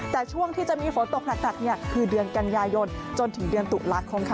แต่ช่วงที่จะมีฝนตกหนักคือเดือนกันยายนจนถึงเดือนตุลาคมค่ะ